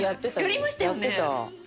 やりましたよね？